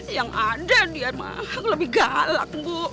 yang ada di rumah lebih galak bu